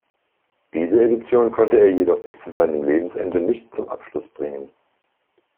Diese Edition konnte er jedoch bis zu seinem Lebensende nicht zum Abschluss bringen.